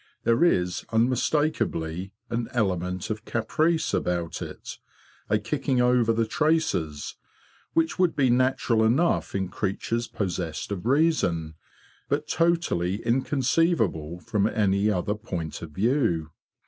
There is unmistakably an element of caprice about it—a kicking over the traces—which would be natural enough in creatures possessed of reason, but totally inconceivable from any other point of view.